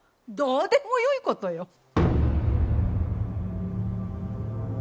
どうでもよい事よ。